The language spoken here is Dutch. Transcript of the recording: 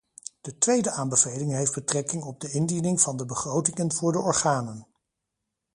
De tweede aanbeveling heeft betrekking op de indiening van de begrotingen voor de organen.